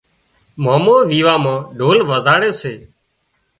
مامو ويوان مان ڍول وزاڙي سي